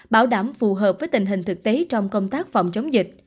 bảo đảm phù hợp với tình hình thực tế trong công tác phòng chống dịch